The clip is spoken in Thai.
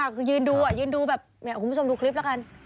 คือยืนดูคุณผู้ชมดูคลิปกัน